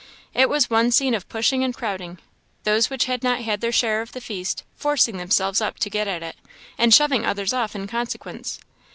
It was one scene of pushing and crowding those which had not had their share of the feast forcing themselves up to get at it, and shoving others off in consequence.